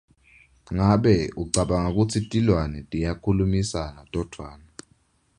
Ngabe ucabanga kutsi tilwane tiyakhulumisana todvwana?